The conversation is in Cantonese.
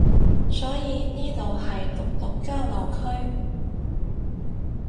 所以呢度係毒毒交流區